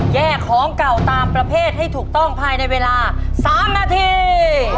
แยกของเก่าตามประเภทให้ถูกต้องภายในเวลา๓นาที